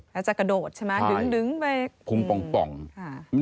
แล้วจะกระโดดใช่ไหม